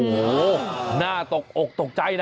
โอ้โหน่าตกอกตกใจนะ